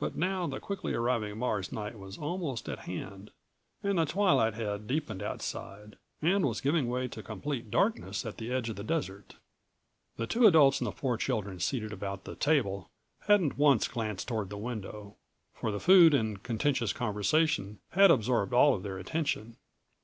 But now the quickly arriving Mars' night was almost at hand, and the twilight had deepened outside and was giving way to complete darkness at the edge of the desert. The two adults and four children seated about the table hadn't once glanced toward the window, for the food and contentious conversation had absorbed all of their attention.